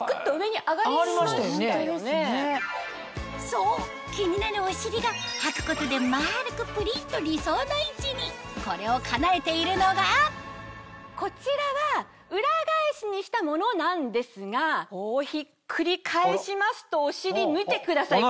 そう気になるお尻がはくことで丸くぷりっと理想の位置にこれをかなえているのがこちらは裏返しにしたものなんですがこうひっくり返しますとお尻見てください。